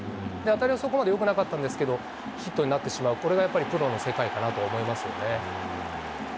当たりはそこまでよくなかったんですけど、ヒットになってしまう、これがやっぱりプロの世界かなと思いますよね。